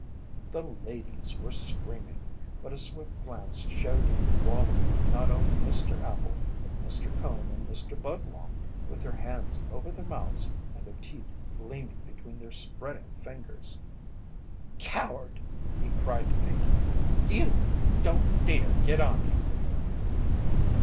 The ladies were screaming, but a swift glance showed Wallie not only Mr. Appel but Mr. Cone and Mr. Budlong with their hands over their mouths and their teeth gleaming between their spreading fingers. "Coward!" he cried to Pinkey. "You don't dare get on him!"